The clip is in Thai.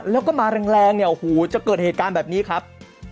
แล้วก็มาแรงเนี่ยโอ้โหจะเกิดเหตุการณ์แบบนี้ครับ